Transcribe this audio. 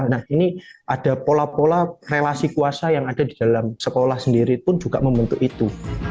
nah ini ada pola pola relasi kuasa yang ada di dalam sekolah sendiri pun juga membentuk itu